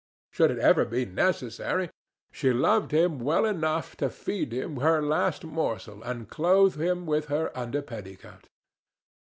Should it ever be necessary, she loved him well enough to feed him with her last morsel and clothe him with her under petticoat.